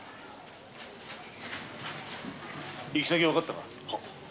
行き先はわかったか？